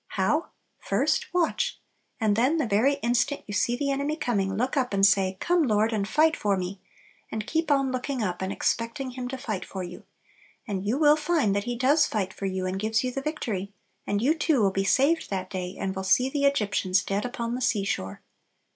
How? First, watch! and then the very instant you see the enemy coming, look up and say, "Come, Lord, and fight for me;" and keep on looking up and expecting Him to fight for you. And you will find that He does fight for you and gives you the victory; and you too will be "saved that day," and will see "the Egyptians dead upon the sea shore."